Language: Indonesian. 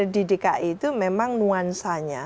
di dki itu memang nuansanya